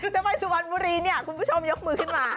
จะไปสุพันธ์บุรีเนี่ยคุณผู้ชมยกมือขึ้นมา